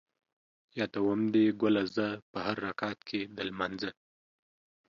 یادوم دې ګله زه ـ په هر رکعت کې د لمانځه